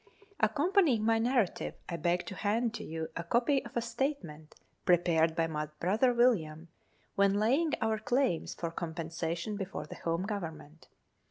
Accompanying my narrative, I beg to hand to you a copy of a statement l prepared by my brother William, when laying our claims for compensation before the Home Government.